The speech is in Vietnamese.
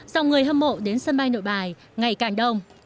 dòng người hâm mộ đến sân bay nội bài ngày càng đông